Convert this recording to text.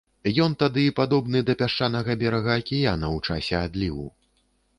Ён тады падобны да пясчанага берага акіяна ў часе адліву.